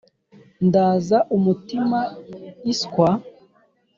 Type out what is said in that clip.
ndaza umutima iswa